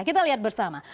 kita lihat bersama